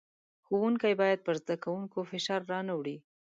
ښوونکی بايد پر زدکوونکو فشار را نۀ وړي.